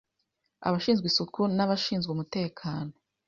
abashinzwe isuku n’abashinzwe umutekano